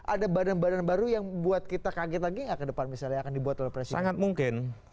ada badan badan baru yang buat kita kaget lagi nggak ke depan misalnya akan dibuat oleh presiden